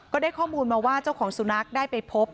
ก็ได้ข้อมูลมาว่าเจ้าของสุนัขได้ไปพบ